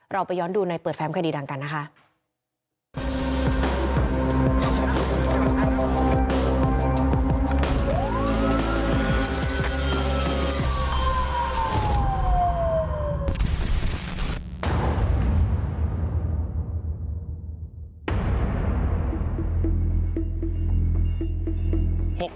เราไปย้อนดูในเปิดแฟมคดีดังกันนะคะ